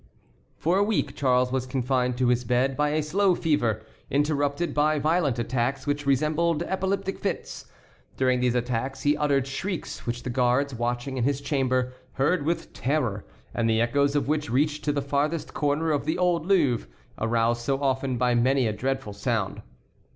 For a week Charles was confined to his bed by a slow fever, interrupted by violent attacks which resembled epileptic fits. During these attacks he uttered shrieks which the guards, watching in his chamber, heard with terror, and the echoes of which reached to the farthest corner of the old Louvre, aroused so often by many a dreadful sound.